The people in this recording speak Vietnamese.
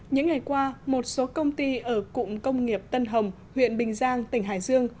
những ngày qua một số công ty ở cụng công nghiệp tân hồng huyện bình giang tỉnh hải dương